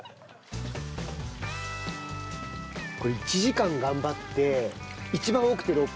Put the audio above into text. これ１時間頑張って一番多くて６匹。